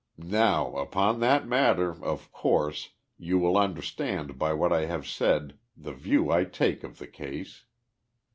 Now, upon that matter, of course, you will understand by what I have said the view 1 take of the case.